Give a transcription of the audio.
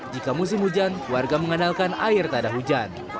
jika musim hujan warga mengenalkan air tak ada hujan